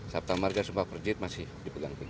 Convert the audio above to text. sabta marga sumpah perjit masih dipegang pegang